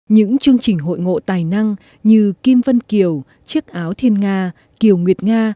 những chương trình hội ngộ tài năng như kim vân kiều chiếc áo thiên nga kiều nguyệt nga